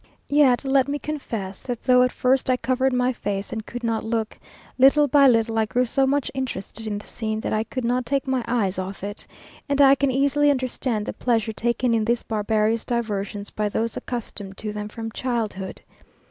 Yet let me confess, that though at first I covered my face and could not look, little by little I grew so much interested in the scene, that I could not take my eyes off it, and I can easily understand the pleasure taken in these barbarous diversions by those accustomed to them from childhood.